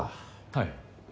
はい。